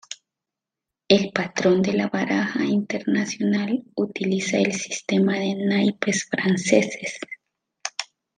El patrón de la baraja "internacional" utiliza el sistema de naipes franceses.